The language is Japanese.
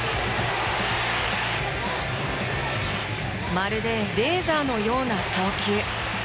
まるでレーザーのような送球。